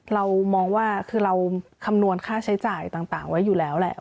เรามองว่าคือเราคำนวณค่าใช้จ่ายต่างไว้อยู่แล้วแหละ